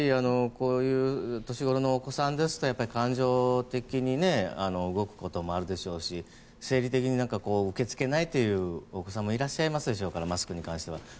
こういう年ごろのお子さんですと感情的に動くこともあるでしょうし生理的に受け付けないというお子さんもいらっしゃいますでしょうからマスクに関しては。